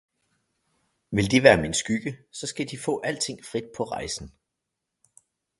vil De være min skygge så skal De få alting frit på rejsen!